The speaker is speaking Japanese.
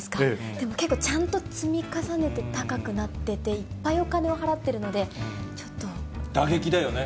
でも、結構、ちゃんと積み重ねて高くなってて、いっぱいお金を払っているので、打撃だよね。